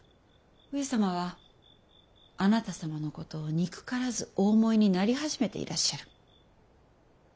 上様はあなた様のことを憎からずお思いになり始めていらっしゃる。